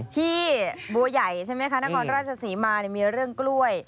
ที่บัวใหญ่ใช่ไหมคะนครราชศรีมามีเรื่องกล้วย